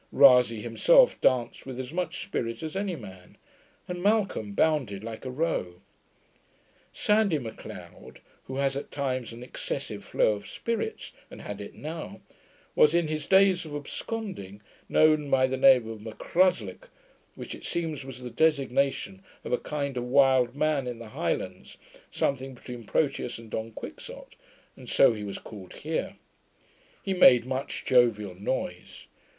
Rasay himself danced with as much spirit as any man, and Malcolm bounded like a roe. Sandie Macleod, who has at times an excessive flow of spirits, and had it now, was, in his days of absconding, known by the name of M'Cruslick, which it seems was the designation of a kind of wild man in the Highlands, something between Proteus and Don Quixotte; and so he was called here. He made much jovial noise.